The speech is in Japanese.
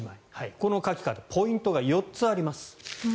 この書き方ポイントが４つあります。